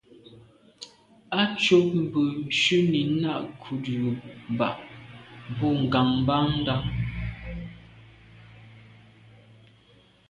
Á cúp mbə̄ shúnī nâʼ kghút jùp bǎʼ bû ŋgámbándá.